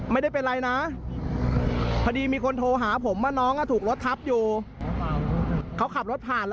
มันไม่มีกังซื้อกาแฟ